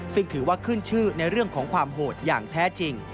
ซึ่งถือว่าขึ้นชื่อในเรื่องของความโหดอย่างแท้จริง